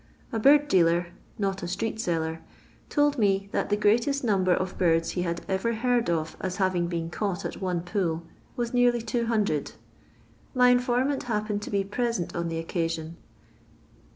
A bird dealer (not a atreot ealler) told me that the greatest numbKsr of birds ba bad ever heard of as having been caught at out poll was nearly 200. My informant happened to bo present on the occasion.